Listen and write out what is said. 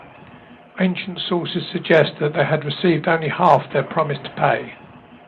Ancient sources suggest that they had received only half their promised pay.